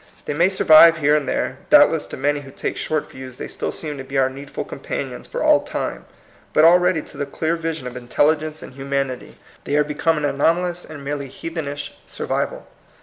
They may survive here and there; doubtless to many who take short views they still seem to be our needful com panions for all time; but already to the clear vision of intelligence and humanity, 162 THE COMING PEOPLE. they are become an anomalous and merely heathenish survival.